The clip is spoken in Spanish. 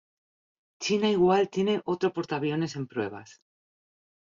China igual tiene otro portaaviones en pruebas.